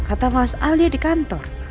kata mas alia di kantor